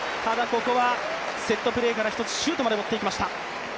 ここはセットプレーからシュートまで持っていきました。